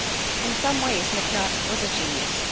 In some ways McNutt was a genius.